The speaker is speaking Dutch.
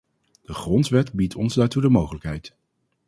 De grondwet biedt ons daartoe de mogelijkheid.